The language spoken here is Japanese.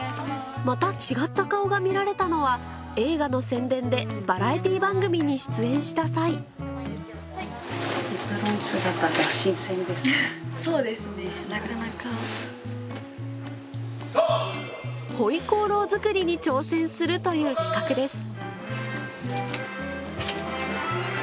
また違った顔が見られたのは映画の宣伝でバラエティー番組に出演した際するという企画です